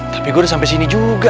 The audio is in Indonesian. tapi gue udah sampai sini juga